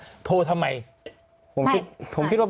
พี่พร้อมทิพย์คิดว่าคุณพิชิตคิดว่าคุณพิชิตคิด